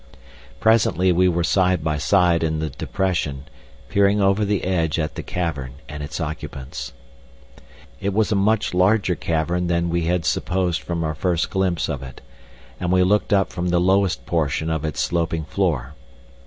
Presently we were side by side in the depression, peering over the edge at the cavern and its occupants. It was a much larger cavern than we had supposed from our first glimpse of it, and we looked up from the lowest portion of its sloping floor.